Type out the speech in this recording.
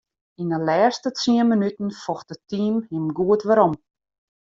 Yn 'e lêste tsien minuten focht it team him goed werom.